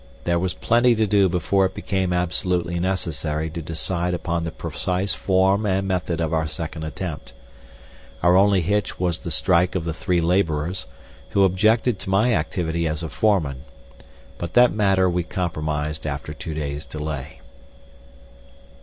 There was plenty to do before it became absolutely necessary to decide upon the precise form and method of our second attempt. Our only hitch was the strike of the three labourers, who objected to my activity as a foreman. But that matter we compromised after two days' delay.